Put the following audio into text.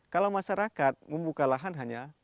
kalau masyarakat membuka lahan hanya